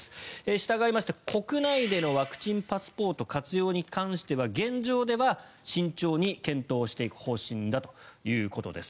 したがいまして国内でのワクチンパスポート活用に関しては現状では慎重に検討していく方針だということです。